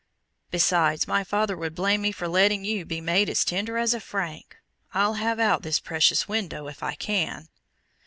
Besides, my father would blame me for letting you be made as tender as a Frank. I'll have out this precious window, if I can."